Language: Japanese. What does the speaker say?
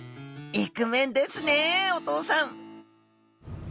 イクメンですねお父さん！